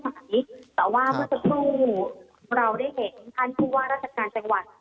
แต่ว่าเมื่อสักครู่เราได้เห็นท่านผู้ว่าราชการจังหวัด